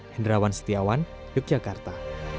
hendrawan setiawan yogyakarta